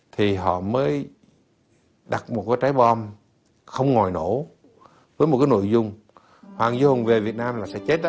thì họ mới đặt một cái trái bom không ngòi nổ với một cái nội dung hoàng duy hùng về việt nam là sẽ chết đó